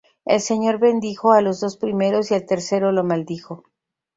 El Señor bendijo a los dos primeros y al tercero lo maldijo.